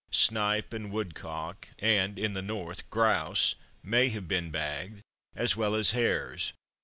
Snipe and woodcock and (in the north) grouse may have been bagged, as well as hares.